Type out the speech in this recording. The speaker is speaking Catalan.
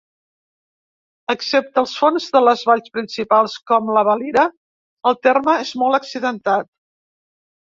Excepte el fons de les valls principals, com la Valira, el terme és molt accidentat.